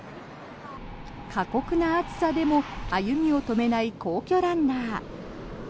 過酷な暑さでも歩みを止めない皇居ランナー。